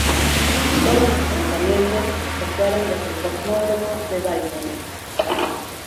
Todos los lanzamientos se efectuaron desde el cosmódromo de Baikonur.